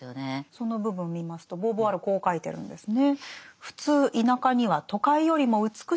その部分見ますとボーヴォワールはこう書いてるんですね。